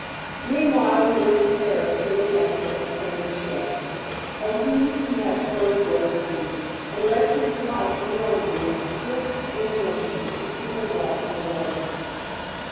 Meanwhile he went to Paris to look after a famous chef, of whom he had heard great things, and left his wife in London with strict injunctions to keep a watch on Agnes.